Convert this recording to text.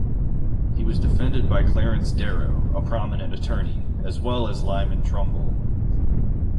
He was defended by Clarence Darrow, a prominent attorney, as well as Lyman Trumbull.